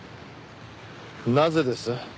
なぜです？